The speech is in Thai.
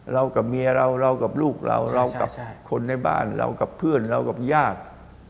กับเมียเราเรากับลูกเราเรากับคนในบ้านเรากับเพื่อนเรากับญาติ